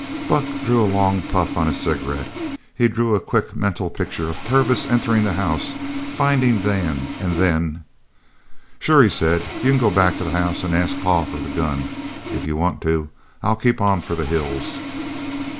Buck drew a long puff on his cigarette. He drew a quick mental picture of Purvis entering the house, finding Dan, and then "Sure," he said, "you c'n go back to the house an' ask pa for the gun, if you want to. I'll keep on for the hills."